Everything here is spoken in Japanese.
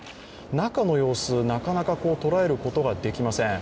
中の様子、なかなか捉えることができません。